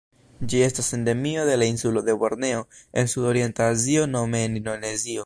Ĝi estas endemio de la insulo de Borneo en Sudorienta Azio nome en Indonezio.